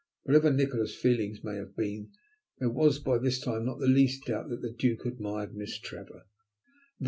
Whatever Nikola's feelings may have been, there was by this time not the least doubt that the Duke admired Miss Trevor.